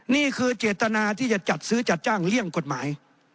นี่คือเจตนาที่จะจัดซื้อจัดจ้างเลี่ยงกฎหมาย